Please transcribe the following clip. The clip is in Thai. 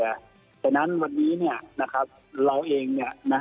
ดังนั้นวันนี้เราเอง